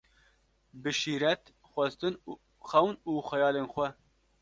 Bi şîret, xwestin, xewn û xeyalên xwe